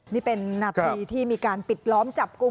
นี่เป็นนาทีที่มีการปิดล้อมจับกลุ่ม